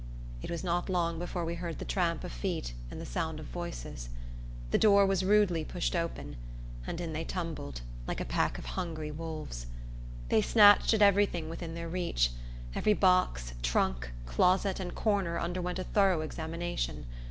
It was not long before we heard the tramp of feet and the sound of voices. The door was rudely pushed open; and in they tumbled, like a pack of hungry wolves. They snatched at every thing within their reach. Every box, trunk, closet, and corner underwent a thorough examination.